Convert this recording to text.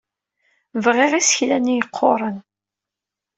Bbiɣ isekla-nni yeqquren.